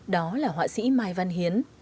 đó là họa sĩ mai văn hiến